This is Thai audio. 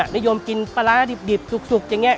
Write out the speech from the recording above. นิยมกินปลาร้าดิบสุกอย่างนี้